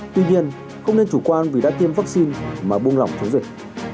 tuy nhiên không nên chủ quan vì đã tiêm vaccine mà buông lỏng chống dịch